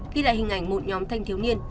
ghi lại hình ảnh một nhóm thanh thiếu nhiên